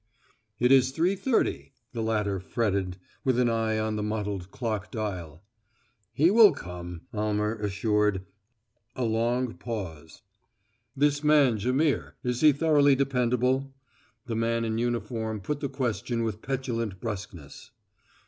"It is three thirty," the latter fretted, with an eye on the mottled clock dial. "He will come," Almer assured. A long pause. "This man Jaimihr he is thoroughly dependable?" The man in uniform put the question with petulant bruskness.